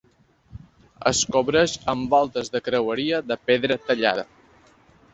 Es cobreix amb voltes de creueria de pedra tallada.